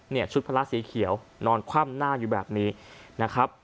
ชุดพละสีเขียวนอนคว่ำหน้าอยู่แบบนี้นะครับ